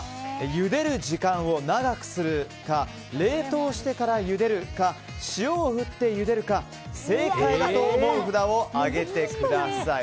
ゆでる時間を長くするか冷凍してからゆでるか塩を振ってゆでるか正解と思う札を上げてください。